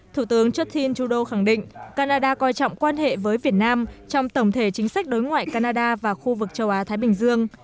thủ tướng urtin trudeau khẳng định canada coi trọng quan hệ với việt nam trong tổng thể chính sách đối ngoại canada và khu vực châu á thái bình dương